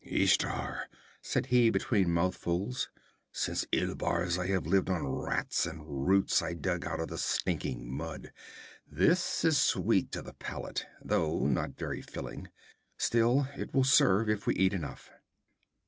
'Ishtar!' said he, between mouthfuls. 'Since Ilbars I have lived on rats, and roots I dug out of the stinking mud. This is sweet to the palate, though not very filling. Still, it will serve if we eat enough.'